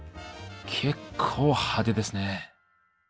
結構派手ですね。